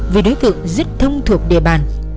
vì đối tượng rất thông thuộc địa bàn